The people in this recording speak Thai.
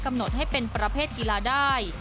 กำหนดให้เป็นประเภทกีฬาได้